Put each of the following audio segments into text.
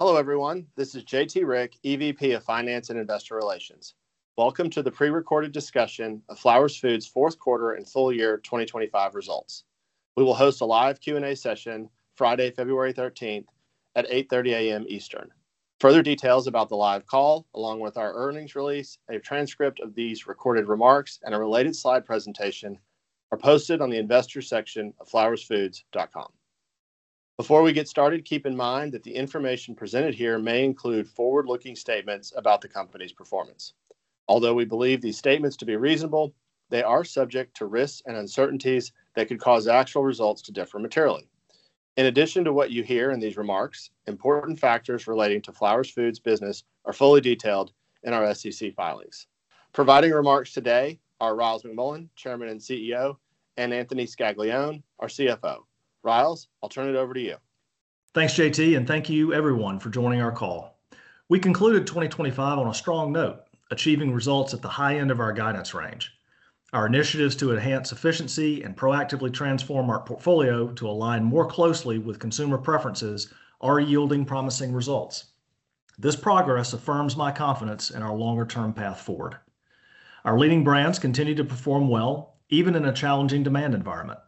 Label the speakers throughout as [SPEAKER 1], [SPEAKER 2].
[SPEAKER 1] Hello, everyone. This is JT Rieck, EVP of Finance and Investor Relations. Welcome to the pre-recorded discussion of Flowers Foods' Fourth Quarter and Full Year 2025 Results. We will host a live Q&A session Friday, February 13th at 8:30 A.M. Eastern. Further details about the live call, along with our earnings release, a transcript of these recorded remarks, and a related slide presentation, are posted on the investor section of flowersfoods.com. Before we get started, keep in mind that the information presented here may include forward-looking statements about the company's performance. Although we believe these statements to be reasonable, they are subject to risks and uncertainties that could cause actual results to differ materially. In addition to what you hear in these remarks, important factors relating to Flowers Foods' business are fully detailed in our SEC filings. Providing remarks today are Ryals McMullian, Chairman and CEO, and Anthony Scaglione, our CFO. Ryals, I'll turn it over to you.
[SPEAKER 2] Thanks, J.T., and thank you everyone for joining our call. We concluded 2025 on a strong note, achieving results at the high end of our guidance range. Our initiatives to enhance efficiency and proactively transform our portfolio to align more closely with consumer preferences are yielding promising results. This progress affirms my confidence in our longer-term path forward. Our leading brands continue to perform well, even in a challenging demand environment.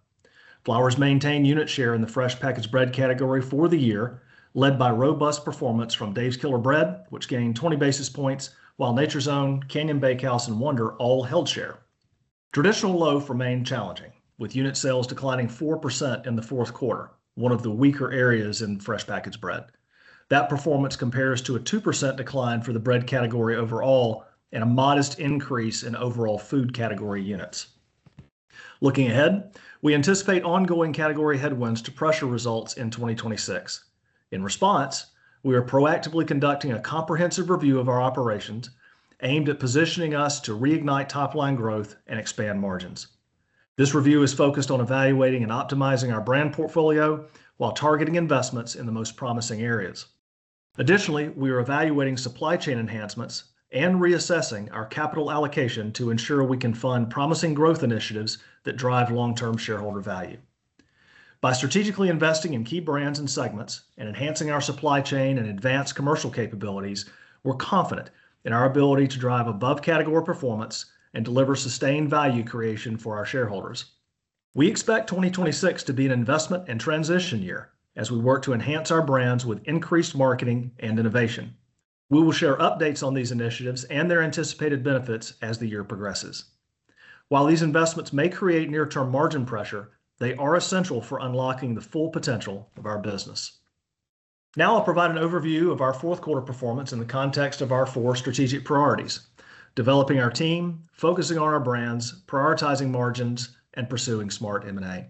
[SPEAKER 2] Flowers maintained unit share in the fresh packaged bread category for the year, led by robust performance from Dave's Killer Bread, which gained 20 basis points, while Nature's Own, Canyon Bakehouse, and Wonder all held share. Traditional loaf remained challenging, with unit sales declining 4% in the fourth quarter, one of the weaker areas in fresh packaged bread. That performance compares to a 2% decline for the bread category overall and a modest increase in overall food category units. Looking ahead, we anticipate ongoing category headwinds to pressure results in 2026. In response, we are proactively conducting a comprehensive review of our operations aimed at positioning us to reignite top-line growth and expand margins. This review is focused on evaluating and optimizing our brand portfolio while targeting investments in the most promising areas. Additionally, we are evaluating supply chain enhancements and reassessing our capital allocation to ensure we can fund promising growth initiatives that drive long-term shareholder value. By strategically investing in key brands and segments and enhancing our supply chain and advanced commercial capabilities, we're confident in our ability to drive above-category performance and deliver sustained value creation for our shareholders. We expect 2026 to be an investment and transition year as we work to enhance our brands with increased marketing and innovation. We will share updates on these initiatives and their anticipated benefits as the year progresses. While these investments may create near-term margin pressure, they are essential for unlocking the full potential of our business. Now I'll provide an overview of our fourth quarter performance in the context of our four strategic priorities: developing our team, focusing on our brands, prioritizing margins, and pursuing smart M&A.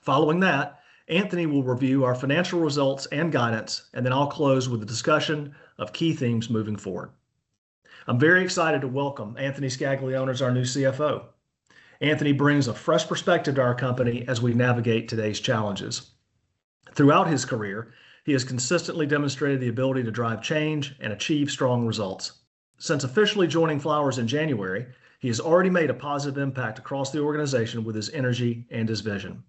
[SPEAKER 2] Following that, Anthony will review our financial results and guidance, and then I'll close with a discussion of key themes moving forward. I'm very excited to welcome Anthony Scaglione as our new CFO. Anthony brings a fresh perspective to our company as we navigate today's challenges. Throughout his career, he has consistently demonstrated the ability to drive change and achieve strong results. Since officially joining Flowers in January, he has already made a positive impact across the organization with his energy and his vision.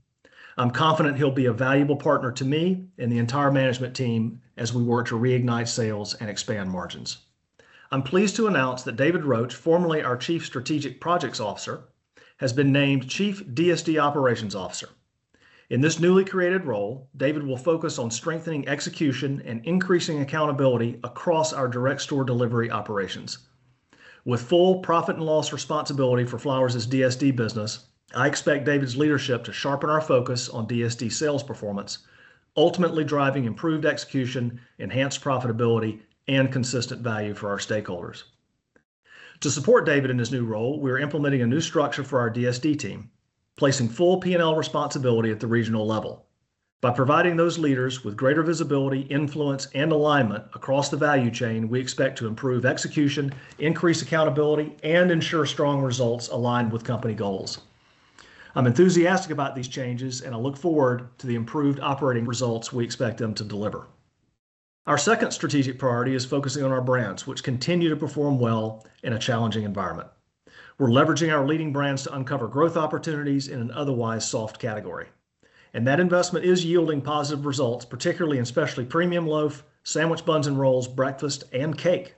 [SPEAKER 2] I'm confident he'll be a valuable partner to me and the entire management team as we work to reignite sales and expand margins. I'm pleased to announce that David Roach, formerly our Chief Strategic Projects Officer, has been named Chief DSD Operations Officer. In this newly created role, David will focus on strengthening execution and increasing accountability across our direct store delivery operations. With full profit and loss responsibility for Flowers' DSD business, I expect David's leadership to sharpen our focus on DSD sales performance, ultimately driving improved execution, enhanced profitability, and consistent value for our stakeholders. To support David in his new role, we are implementing a new structure for our DSD team, placing full P&L responsibility at the regional level. By providing those leaders with greater visibility, influence, and alignment across the value chain, we expect to improve execution, increase accountability, and ensure strong results aligned with company goals. I'm enthusiastic about these changes, and I look forward to the improved operating results we expect them to deliver. Our second strategic priority is focusing on our brands, which continue to perform well in a challenging environment. We're leveraging our leading brands to uncover growth opportunities in an otherwise soft category, and that investment is yielding positive results, particularly in specialty premium loaf, sandwich buns and rolls, breakfast, and cake.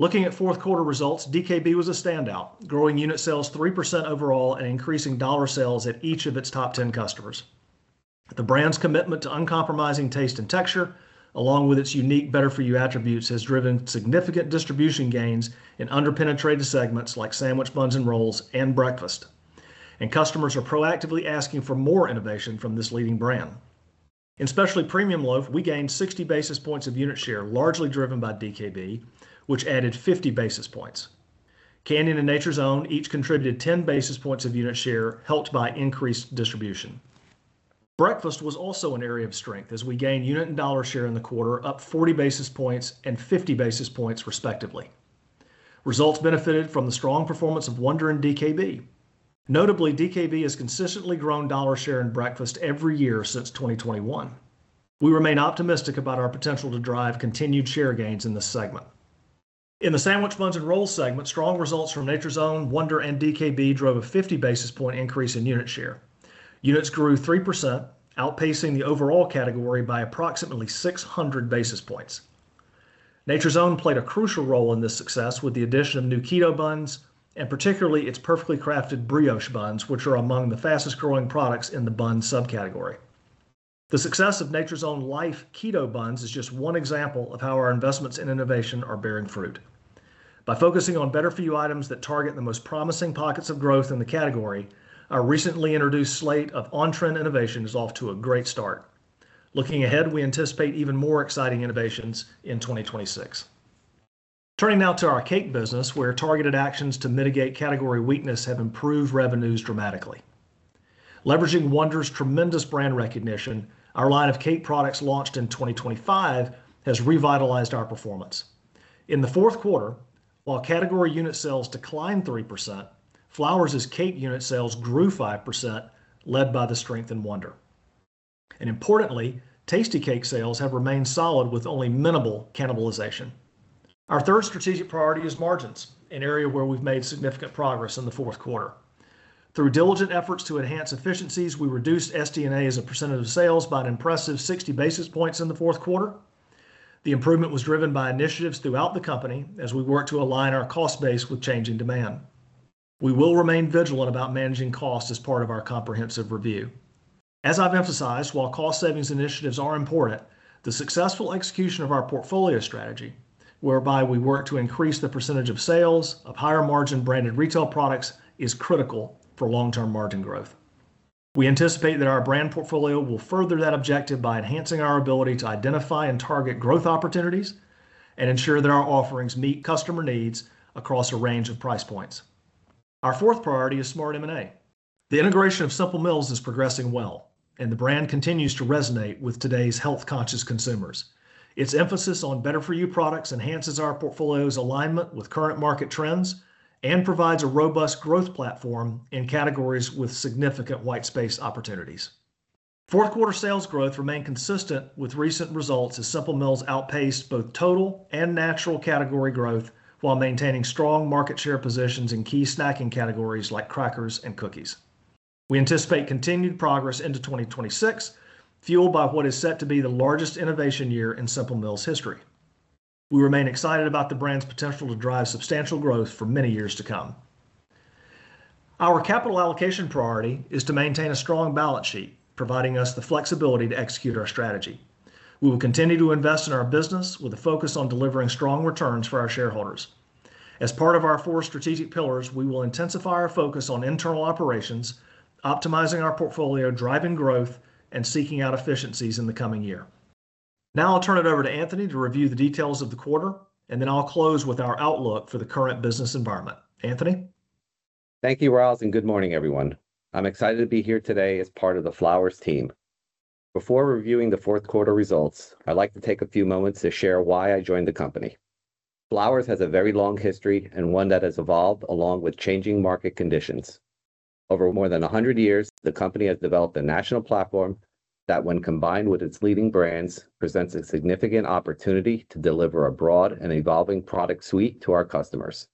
[SPEAKER 2] Looking at fourth quarter results, DKB was a standout, growing unit sales 3% overall and increasing dollar sales at each of its top 10 customers. The brand's commitment to uncompromising taste and texture, along with its unique better-for-you attributes, has driven significant distribution gains in underpenetrated segments like sandwich buns and rolls and breakfast. Customers are proactively asking for more innovation from this leading brand. In Specialty Premium Loaf, we gained 60 basis points of unit share, largely driven by DKB, which added 50 basis points. Canyon and Nature's Own each contributed 10 basis points of unit share, helped by increased distribution. Breakfast was also an area of strength as we gained unit and dollar share in the quarter, up 40 basis points and 50 basis points, respectively. Results benefited from the strong performance of Wonder and DKB. Notably, DKB has consistently grown dollar share in breakfast every year since 2021. We remain optimistic about our potential to drive continued share gains in this segment. In the sandwich buns and rolls segment, strong results from Nature's Own, Wonder, and DKB drove a 50 basis point increase in unit share. Units grew 3%, outpacing the overall category by approximately 600 basis points. Nature's Own played a crucial role in this success with the addition of new keto buns, and particularly its Perfectly Crafted Brioche Buns, which are among the fastest growing products in the buns subcategory. The success of Nature's Own Life Keto Buns is just one example of how our investments in innovation are bearing fruit. By focusing on better for you items that target the most promising pockets of growth in the category, our recently introduced slate of on-trend innovation is off to a great start. Looking ahead, we anticipate even more exciting innovations in 2026. Turning now to our cake business, where targeted actions to mitigate category weakness have improved revenues dramatically. Leveraging Wonder's tremendous brand recognition, our line of cake products launched in 2025 has revitalized our performance. In the fourth quarter, while category unit sales declined 3%, Flowers' cake unit sales grew 5%, led by the strength in Wonder. And importantly, Tastykake sales have remained solid with only minimal cannibalization. Our third strategic priority is margins, an area where we've made significant progress in the fourth quarter. Through diligent efforts to enhance efficiencies, we reduced SD&A as a percentage of sales by an impressive 60 basis points in the fourth quarter. The improvement was driven by initiatives throughout the company as we work to align our cost base with changing demand. We will remain vigilant about managing costs as part of our comprehensive review. As I've emphasized, while cost savings initiatives are important, the successful execution of our portfolio strategy, whereby we work to increase the percentage of sales of higher margin branded retail products, is critical for long-term margin growth. We anticipate that our brand portfolio will further that objective by enhancing our ability to identify and target growth opportunities and ensure that our offerings meet customer needs across a range of price points. Our fourth priority is smart M&A. The integration of Simple Mills is progressing well, and the brand continues to resonate with today's health-conscious consumers. Its emphasis on better for you products enhances our portfolio's alignment with current market trends and provides a robust growth platform in categories with significant white space opportunities. Fourth quarter sales growth remained consistent with recent results as Simple Mills outpaced both total and natural category growth, while maintaining strong market share positions in key snacking categories like crackers and cookies. We anticipate continued progress into 2026, fueled by what is set to be the largest innovation year in Simple Mills history. We remain excited about the brand's potential to drive substantial growth for many years to come. Our capital allocation priority is to maintain a strong balance sheet, providing us the flexibility to execute our strategy. We will continue to invest in our business with a focus on delivering strong returns for our shareholders. As part of our four strategic pillars, we will intensify our focus on internal operations, optimizing our portfolio, driving growth, and seeking out efficiencies in the coming year. Now I'll turn it over to Anthony to review the details of the quarter, and then I'll close with our outlook for the current business environment. Anthony?
[SPEAKER 3] Thank you, Ryals, and good morning, everyone. I'm excited to be here today as part of the Flowers team. Before reviewing the fourth quarter results, I'd like to take a few moments to share why I joined the company. Flowers has a very long history and one that has evolved along with changing market conditions. Over more than 100 years, the company has developed a national platform that, when combined with its leading brands, presents a significant opportunity to deliver a broad and evolving product suite to our customers,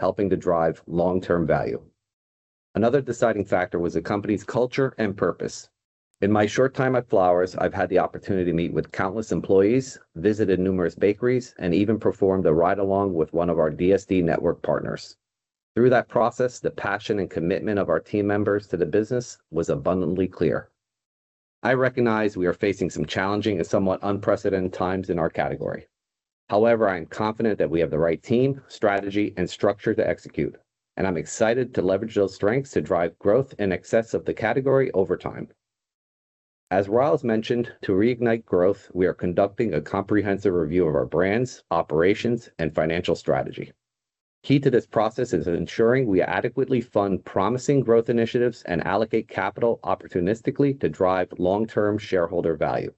[SPEAKER 3] helping to drive long-term value. Another deciding factor was the company's culture and purpose. In my short time at Flowers, I've had the opportunity to meet with countless employees, visited numerous bakeries, and even performed a ride-along with one of our DSD network partners. Through that process, the passion and commitment of our team members to the business was abundantly clear. I recognize we are facing some challenging and somewhat unprecedented times in our category. However, I am confident that we have the right team, strategy, and structure to execute, and I'm excited to leverage those strengths to drive growth in excess of the category over time. As Ryals mentioned, to reignite growth, we are conducting a comprehensive review of our brands, operations, and financial strategy. Key to this process is ensuring we adequately fund promising growth initiatives and allocate capital opportunistically to drive long-term shareholder value.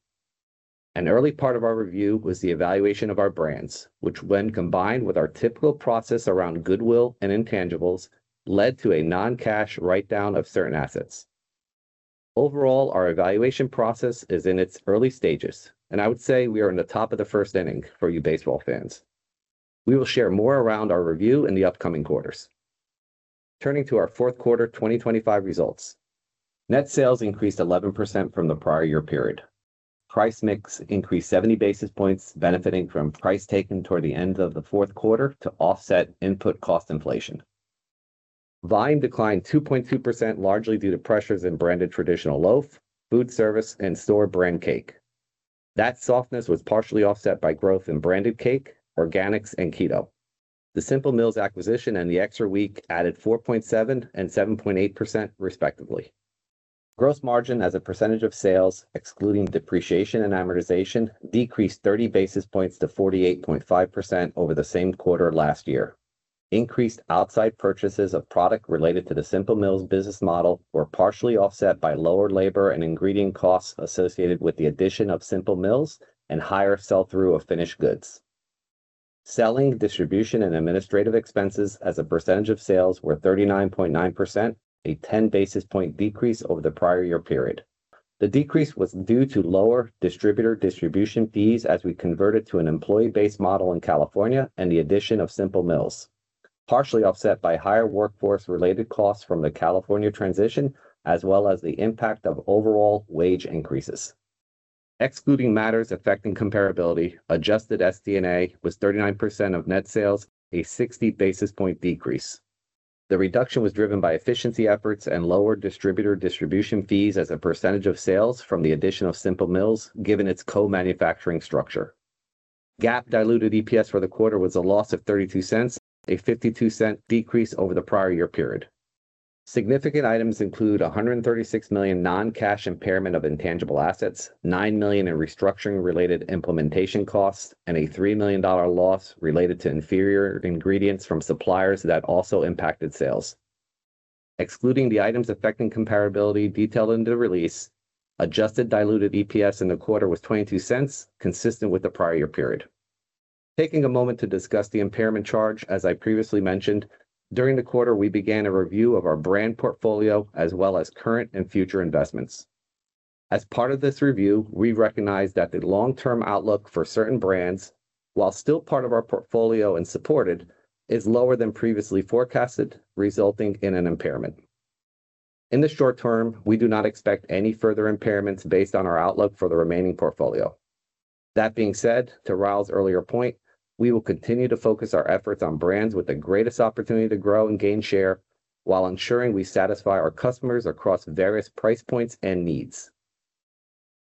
[SPEAKER 3] An early part of our review was the evaluation of our brands, which, when combined with our typical process around goodwill and intangibles, led to a non-cash write-down of certain assets. Overall, our evaluation process is in its early stages, and I would say we are in the top of the first inning for you baseball fans. We will share more around our review in the upcoming quarters. Turning to our fourth quarter 2025 results, net sales increased 11% from the prior year period. Price mix increased 70 basis points, benefiting from price taken toward the end of the fourth quarter to offset input cost inflation. Volume declined 2.2%, largely due to pressures in branded traditional loaf, food service, and store brand cake. That softness was partially offset by growth in branded cake, organics, and keto. The Simple Mills acquisition and the extra week added 4.7% and 7.8%, respectively. Gross margin as a percentage of sales, excluding depreciation and amortization, decreased 30 basis points to 48.5% over the same quarter last year. Increased outside purchases of product related to the Simple Mills business model were partially offset by lower labor and ingredient costs associated with the addition of Simple Mills and higher sell-through of finished goods. Selling, distribution, and administrative expenses as a percentage of sales were 39.9%, a 10 basis point decrease over the prior year period. The decrease was due to lower distributor distribution fees as we converted to an employee-based model in California and the addition of Simple Mills, partially offset by higher workforce-related costs from the California transition, as well as the impact of overall wage increases. Excluding matters affecting comparability, adjusted SD&A was 39% of net sales, a 60 basis point decrease. The reduction was driven by efficiency efforts and lower distributor distribution fees as a percentage of sales from the addition of Simple Mills, given its co-manufacturing structure. GAAP diluted EPS for the quarter was a loss of $0.32, a $0.52 decrease over the prior year period. Significant items include a $136 million non-cash impairment of intangible assets, $9 million in restructuring-related implementation costs, and a $3 million loss related to inferior ingredients from suppliers that also impacted sales. Excluding the items affecting comparability detailed in the release, adjusted diluted EPS in the quarter was $0.22, consistent with the prior year period. Taking a moment to discuss the impairment charge, as I previously mentioned, during the quarter, we began a review of our brand portfolio, as well as current and future investments. As part of this review, we recognized that the long-term outlook for certain brands, while still part of our portfolio and supported, is lower than previously forecasted, resulting in an impairment. In the short term, we do not expect any further impairments based on our outlook for the remaining portfolio. That being said, to Ryals' earlier point, we will continue to focus our efforts on brands with the greatest opportunity to grow and gain share while ensuring we satisfy our customers across various price points and needs.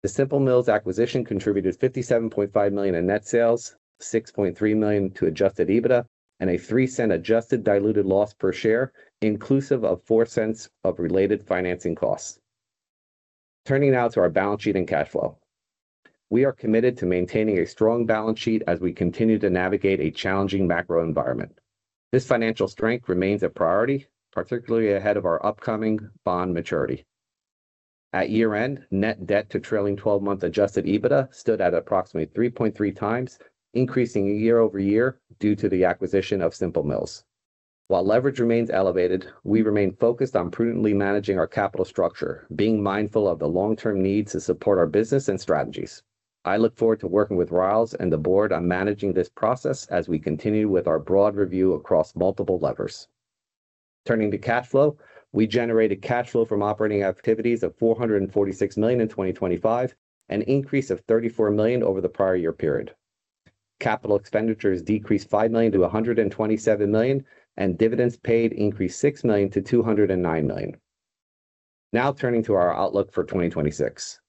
[SPEAKER 3] The Simple Mills acquisition contributed $57.5 million in net sales, $6.3 million to adjusted EBITDA, and a $0.03 adjusted diluted loss per share, inclusive of $0.04 of related financing costs. Turning now to our balance sheet and cash flow. We are committed to maintaining a strong balance sheet as we continue to navigate a challenging macro environment. This financial strength remains a priority, particularly ahead of our upcoming bond maturity. At year-end, net debt to trailing 12-month adjusted EBITDA stood at approximately 3.3x, increasing year-over-year due to the acquisition of Simple Mills. While leverage remains elevated, we remain focused on prudently managing our capital structure, being mindful of the long-term needs to support our business and strategies. I look forward to working with Ryals and the board on managing this process as we continue with our broad review across multiple levers. Turning to cash flow, we generated cash flow from operating activities of $446 million in 2025, an increase of $34 million over the prior year period. Capital expenditures decreased $5 million to $127 million, and dividends paid increased $6 million to $209 million. Now, turning to our outlook for 2026.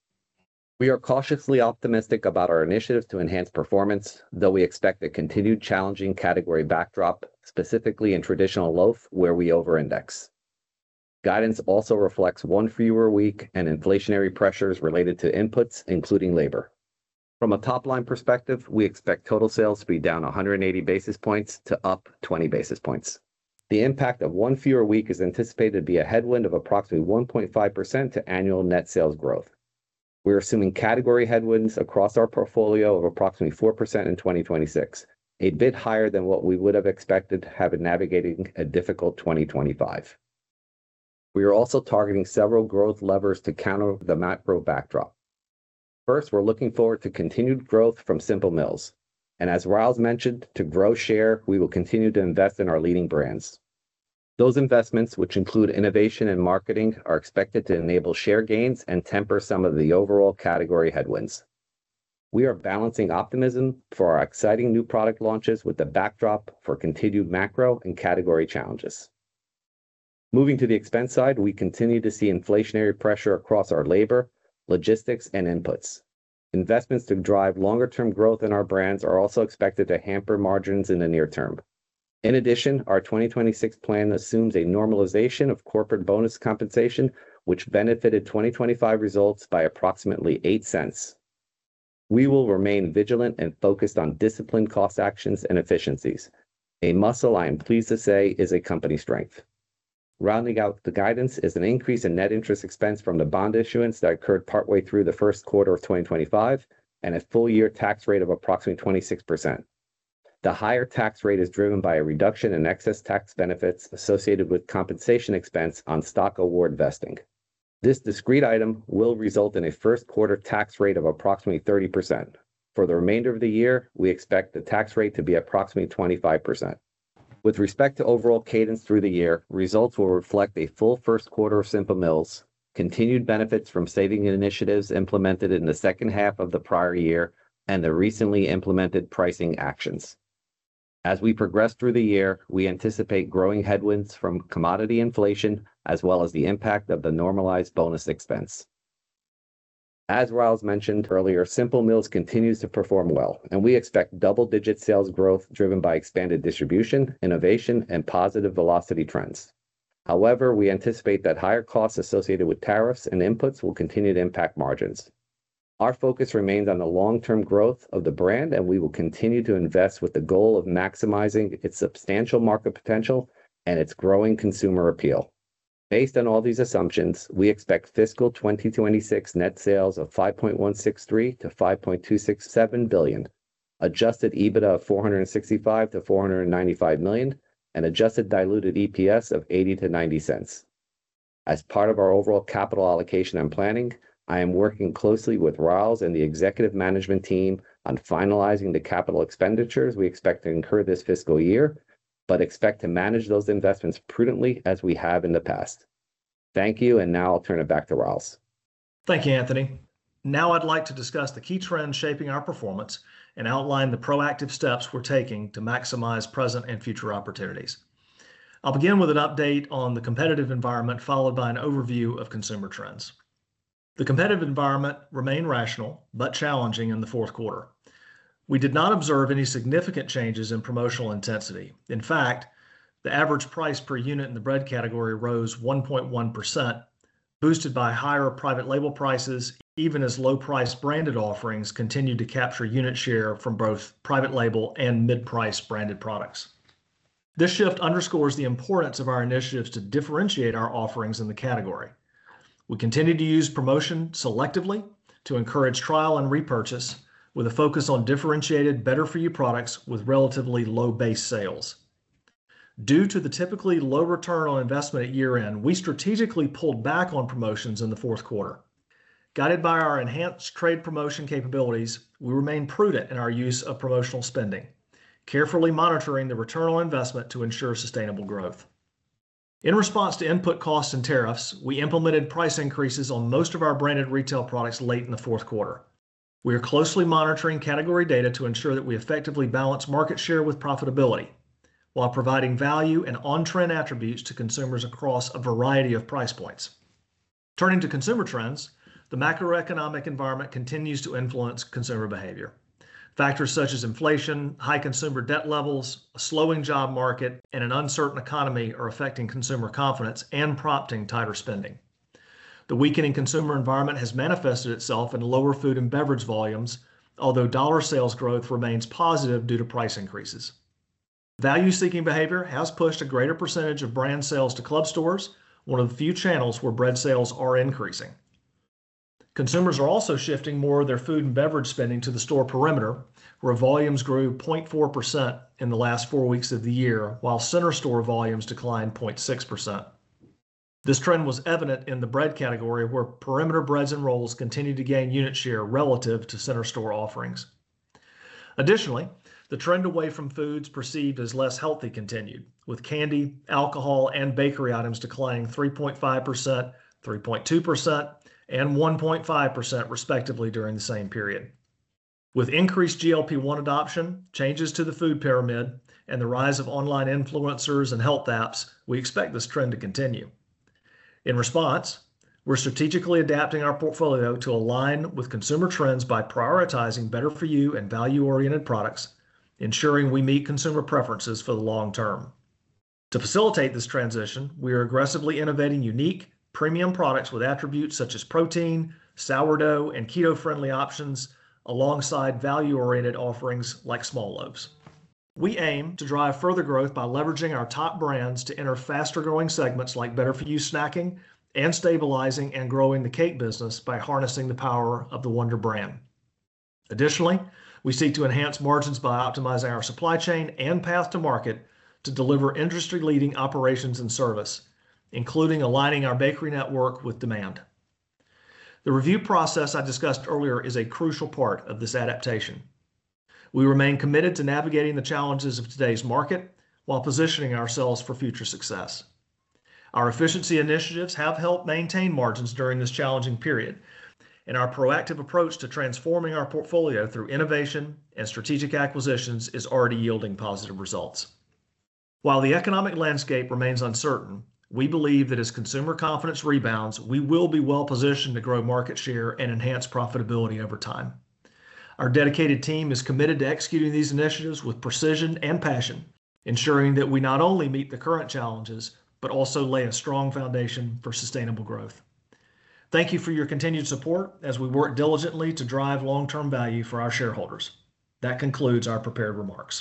[SPEAKER 3] We are cautiously optimistic about our initiatives to enhance performance, though we expect a continued challenging category backdrop, specifically in traditional loaf, where we over-index. Guidance also reflects one fewer week and inflationary pressures related to inputs, including labor. From a top-line perspective, we expect total sales to be down 180 basis points to up 20 basis points. The impact of one fewer week is anticipated to be a headwind of approximately 1.5% to annual net sales growth. We are assuming category headwinds across our portfolio of approximately 4% in 2026, a bit higher than what we would have expected had been navigating a difficult 2025. We are also targeting several growth levers to counter the macro backdrop. First, we're looking forward to continued growth from Simple Mills. As Ryals mentioned, to grow share, we will continue to invest in our leading brands. Those investments, which include innovation and marketing, are expected to enable share gains and temper some of the overall category headwinds. We are balancing optimism for our exciting new product launches with the backdrop for continued macro and category challenges. Moving to the expense side, we continue to see inflationary pressure across our labor, logistics, and inputs. Investments to drive longer-term growth in our brands are also expected to hamper margins in the near term. In addition, our 2026 plan assumes a normalization of corporate bonus compensation, which benefited 2025 results by approximately $0.08. We will remain vigilant and focused on disciplined cost actions and efficiencies. A muscle, I am pleased to say, is a company strength. Rounding out the guidance is an increase in net interest expense from the bond issuance that occurred partway through the first quarter of 2025 and a full year tax rate of approximately 26%. The higher tax rate is driven by a reduction in excess tax benefits associated with compensation expense on stock award vesting. This discrete item will result in a first quarter tax rate of approximately 30%. For the remainder of the year, we expect the tax rate to be approximately 25%. With respect to overall cadence through the year, results will reflect a full first quarter of Simple Mills, continued benefits from saving initiatives implemented in the second half of the prior year, and the recently implemented pricing actions. As we progress through the year, we anticipate growing headwinds from commodity inflation, as well as the impact of the normalized bonus expense. As Ryals mentioned earlier, Simple Mills continues to perform well, and we expect double-digit sales growth driven by expanded distribution, innovation, and positive velocity trends. However, we anticipate that higher costs associated with tariffs and inputs will continue to impact margins. Our focus remains on the long-term growth of the brand, and we will continue to invest with the goal of maximizing its substantial market potential and its growing consumer appeal. Based on all these assumptions, we expect fiscal 2026 net sales of $5.163 billion-$5.267 billion, adjusted EBITDA of $465 million-$495 million, and adjusted diluted EPS of $0.80-$0.90. As part of our overall capital allocation and planning, I am working closely with Ryals and the executive management team on finalizing the capital expenditures we expect to incur this fiscal year, but expect to manage those investments prudently as we have in the past. Thank you, and now I'll turn it back to Ryals.
[SPEAKER 2] Thank you, Anthony. Now I'd like to discuss the key trends shaping our performance and outline the proactive steps we're taking to maximize present and future opportunities. I'll begin with an update on the competitive environment, followed by an overview of consumer trends. The competitive environment remained rational but challenging in the fourth quarter. We did not observe any significant changes in promotional intensity. In fact, the average price per unit in the bread category rose 1.1%, boosted by higher private label prices, even as low-price branded offerings continued to capture unit share from both private label and mid-price branded products. This shift underscores the importance of our initiatives to differentiate our offerings in the category. We continue to use promotion selectively to encourage trial and repurchase, with a focus on differentiated, better-for-you products with relatively low base sales. Due to the typically low return on investment at year-end, we strategically pulled back on promotions in the fourth quarter. Guided by our enhanced trade promotion capabilities, we remain prudent in our use of promotional spending, carefully monitoring the return on investment to ensure sustainable growth. In response to input costs and tariffs, we implemented price increases on most of our branded retail products late in the fourth quarter. We are closely monitoring category data to ensure that we effectively balance market share with profitability, while providing value and on-trend attributes to consumers across a variety of price points. Turning to consumer trends, the macroeconomic environment continues to influence consumer behavior. Factors such as inflation, high consumer debt levels, a slowing job market, and an uncertain economy are affecting consumer confidence and prompting tighter spending. The weakening consumer environment has manifested itself in lower food and beverage volumes, although dollar sales growth remains positive due to price increases. Value-seeking behavior has pushed a greater percentage of brand sales to club stores, one of the few channels where bread sales are increasing. Consumers are also shifting more of their food and beverage spending to the store perimeter, where volumes grew 0.4% in the last four weeks of the year, while center store volumes declined 0.6%. This trend was evident in the bread category, where perimeter breads and rolls continued to gain unit share relative to center store offerings. Additionally, the trend away from foods perceived as less healthy continued, with candy, alcohol, and bakery items declining 3.5%, 3.2%, and 1.5%, respectively, during the same period. With increased GLP-1 adoption, changes to the food pyramid, and the rise of online influencers and health apps, we expect this trend to continue. In response, we're strategically adapting our portfolio to align with consumer trends by prioritizing better-for-you and value-oriented products, ensuring we meet consumer preferences for the long term. To facilitate this transition, we are aggressively innovating unique, premium products with attributes such as protein, sourdough, and keto-friendly options, alongside value-oriented offerings like small loaves. We aim to drive further growth by leveraging our top brands to enter faster-growing segments, like better-for-you snacking and stabilizing and growing the cake business by harnessing the power of the Wonder brand. Additionally, we seek to enhance margins by optimizing our supply chain and path to market to deliver industry-leading operations and service, including aligning our bakery network with demand. The review process I discussed earlier is a crucial part of this adaptation. We remain committed to navigating the challenges of today's market while positioning ourselves for future success. Our efficiency initiatives have helped maintain margins during this challenging period, and our proactive approach to transforming our portfolio through innovation and strategic acquisitions is already yielding positive results. While the economic landscape remains uncertain, we believe that as consumer confidence rebounds, we will be well positioned to grow market share and enhance profitability over time. Our dedicated team is committed to executing these initiatives with precision and passion, ensuring that we not only meet the current challenges, but also lay a strong foundation for sustainable growth. Thank you for your continued support as we work diligently to drive long-term value for our shareholders. That concludes our prepared remarks.